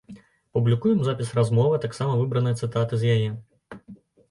Публікуем запіс размовы, а таксама выбраныя цытаты з яе.